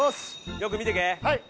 よく見ていけ。